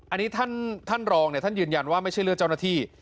อันนี้ท่านรองท่านยืนยันว่าไม่ใช่เลือดเจ้าหน้าที่